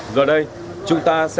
rồi đây chúng ta sẽ